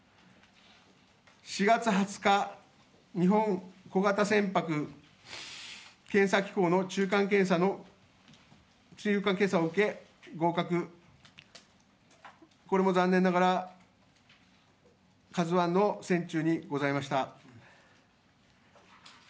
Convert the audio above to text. ４月２０日、日本小型船舶検査機構の中間検査を受け、合格、これも残念ながら「ＫＡＺＵⅠ」の船中にございました。